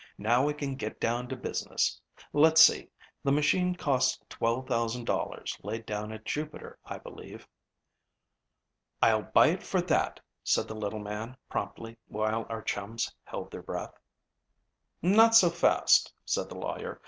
"Now we can get down to business. Let's see; the machine cost $12,000 laid down at Jupiter, I believe." "I'll buy it for that," said the little man promptly, while our chums held their breath. "Not so fast," said the lawyer.